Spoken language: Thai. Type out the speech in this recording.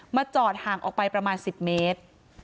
จอดห่างออกไปประมาณ๑๐เมตร